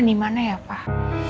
dimana ya pak